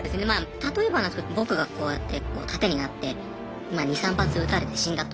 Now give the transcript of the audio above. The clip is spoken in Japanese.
例えばなんですけど僕がこうやってこう盾になってまあ２３発撃たれて死んだと。